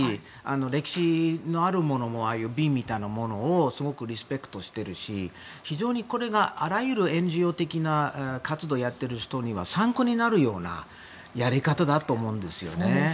歴史のあるものもああいう瓶みたいなものもすごくリスペクトしているし非常にこれがあらゆる同じ活動をしている人に参考になるようなやり方だと思うんですよね。